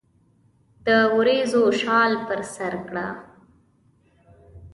د وریځو شال پر سرکړه